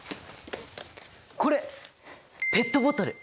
これペットボトル！